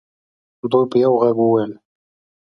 دوی په یوه ږغ وویل.